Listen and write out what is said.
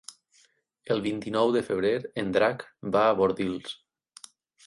El vint-i-nou de febrer en Drac va a Bordils.